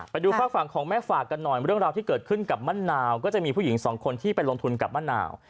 ฝากฝั่งของแม่ฝากกันหน่อยเรื่องราวที่เกิดขึ้นกับมะนาวก็จะมีผู้หญิงสองคนที่ไปลงทุนกับมะนาว